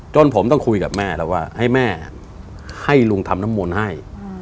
จนผมต้องคุยกับแม่แล้วว่าให้แม่ให้ลุงทำน้ำมนต์ให้